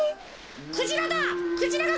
クジラだ！